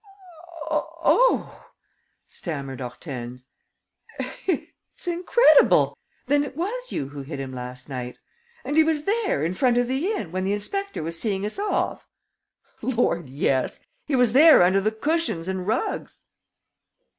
"Oh," stammered Hortense, "it's incredible! Then it was you who hid him last night? And he was there, in front of the inn, when the inspector was seeing us off?" "Lord, yes! He was there, under the cushions and rugs!"